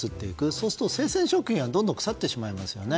そうすると、生鮮食品はどんどん腐ってしまいますよね。